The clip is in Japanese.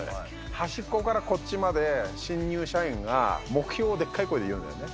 端っこからこっちまで新入社員が目標をでっかい声で言うんだよね。